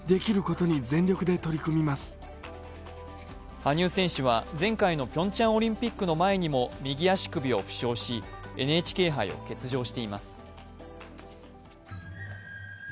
羽生選手は前回のピョンチャンオリンピックの前にも右足首を負傷し、ＮＨＫ杯を欠場しています。